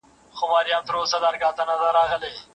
پر مزار مي زنګېدلی بیرغ غواړم